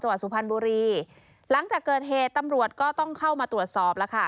สุพรรณบุรีหลังจากเกิดเหตุตำรวจก็ต้องเข้ามาตรวจสอบแล้วค่ะ